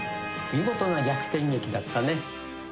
見事な逆転劇だったね。